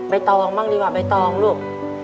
ตองบ้างดีกว่าใบตองลูก